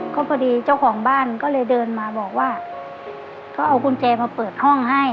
ก็พอดีเจ้าของบ้านก็เลยเดินมาบอกว่าเขาเอากุญแจมาเปิดห้องให้